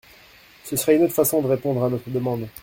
Ce serait une autre façon de répondre à notre demande.